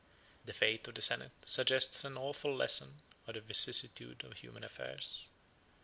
The fate of the senate suggests an awful lesson of the vicissitude of human affairs.